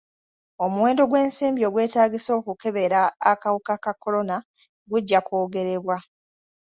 Omuwendo gw'ensimbi ogwetaagisa okukebera akawuka ka kolona gujja kwogerebwa.